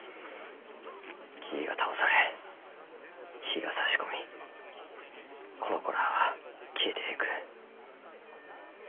木が倒され日がさし込みこの子らは消えていく。